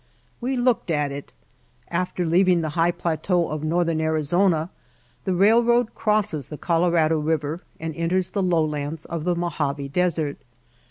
We looked at it. After leaving the high pla teau of northern Arizona the railroad crosses the Colorado River and enters the lowlands of the Mojave Desert.